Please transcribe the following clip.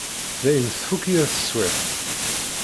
Dayen tfukk yir teswiεt.